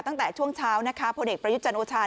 ตั้งแต่ช่วงเช้านะคะพลเอกประยุทธ์จันทร์โอชา